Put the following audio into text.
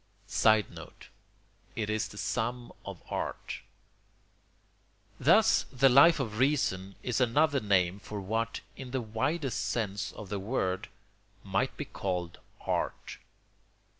[Sidenote: It is the sum of Art.] Thus the Life of Reason is another name for what, in the widest sense of the word, might be called Art.